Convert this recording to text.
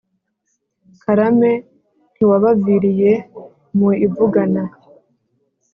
karame ntiwabaviriye mu ivugana.